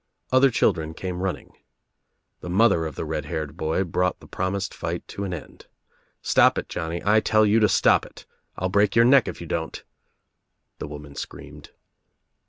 Other children came running. The mother of the red haired boy brought the promised fight to an end. "Stop it Johnny, I tell you to stop it. I'll break your neck if you don't," the woman screamed.